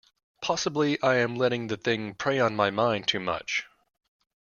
Possibly I am letting the thing prey on my mind too much.